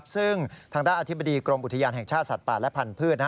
ซึ่งทางด้านอธิบดีกรมอุทยานแห่งชาติสัตว์ป่าและพันธุ์